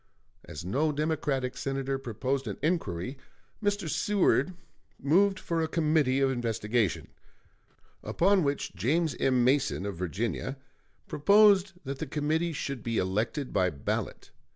As no Democratic Senator proposed an inquiry, Mr. Seward moved for a committee of investigation; upon which James M. Mason, of Virginia, proposed that the committee should be elected by ballot.